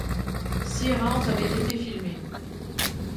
Six rounds avaient été filmés.